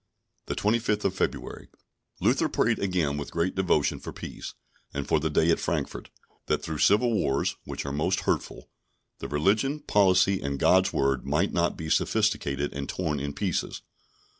The 25th of February, Luther prayed again with great devotion for peace, and for the day at Frankfort, that through civil wars (which are most hurtful), the religion, policy, and God's Word might not be sophisticated and torn in pieces.